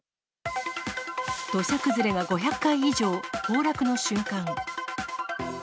土砂崩れが５００回以上、崩落の瞬間。